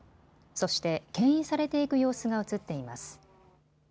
そして、けん引されていく様子が映っています。